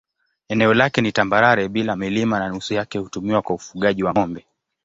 Eneo lake ni tambarare bila milima na nusu yake hutumiwa kwa ufugaji wa ng'ombe.